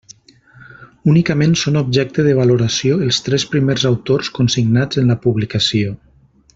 Únicament són objecte de valoració els tres primers autors consignats en la publicació.